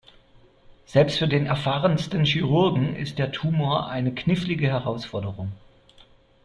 Selbst für den erfahrensten Chirurgen ist der Tumor eine knifflige Herausforderung.